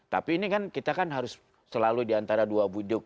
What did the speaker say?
tapi ini kan kita harus selalu diantara dua buduk